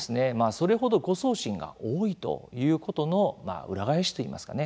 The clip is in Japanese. それ程、誤送信が多いということの裏返しといいますかね